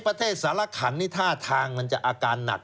ประเทศสารครัฐนเนี่ยถ้าทางมันจะอาการหนัด